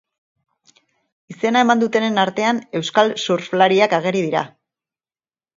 Izena eman dutenen artean euskal surflariak ageri dira.